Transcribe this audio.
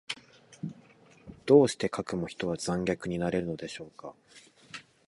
どうしてかくも人は残虐になれるのでしょうか。